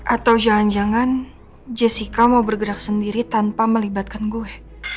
atau jangan jangan jessica mau bergerak sendiri tanpa melibatkan gue